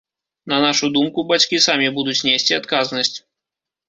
На нашу думку, бацькі самі будуць несці адказнасць.